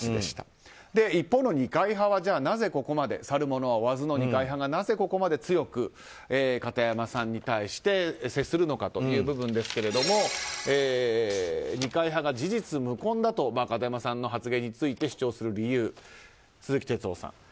一方の二階派はなぜここまで去る者追わずの二階派がなぜここまで強く片山さんに対して接するのかという部分ですが二階派が事実無根だと片山さんの発言について主張する理由を鈴木哲夫さん。